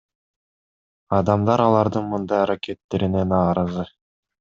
Адамдар алардын мындай аракеттерине нааразы.